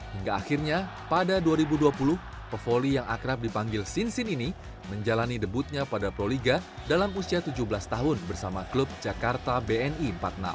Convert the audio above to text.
hingga akhirnya pada dua ribu dua puluh pevoli yang akrab dipanggil sinsin ini menjalani debutnya pada proliga dalam usia tujuh belas tahun bersama klub jakarta bni empat puluh enam